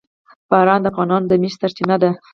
باران د افغانانو د معیشت سرچینه ده.